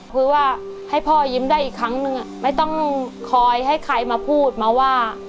คือว่าให้พ่อยิ้มได้อีกครั้งนึงไม่ต้องคอยให้ใครมาพูดมาว่า